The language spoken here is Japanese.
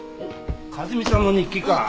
和美さんの日記か。